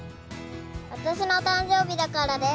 私の誕生日だからです。